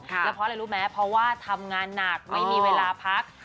แล้วเพราะอะไรรู้ไหมเพราะว่าทำงานหนักไม่มีเวลาพัก